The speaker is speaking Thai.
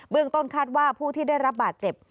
ต้นคาดว่าผู้ที่ได้รับบาดเจ็บ